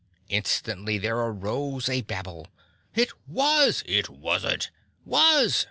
Instantly there arose a babble. "It was!" "It wasn't!" "Was!"